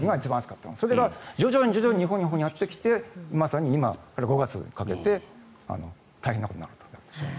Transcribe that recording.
それが徐々に徐々に日本のほうにやってきてまさに今、５月にかけて大変なことになっていると。